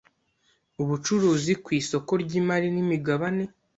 Ubucuruzi ku isoko ry imari n imigabane